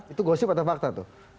itu gosip atau fakta tuh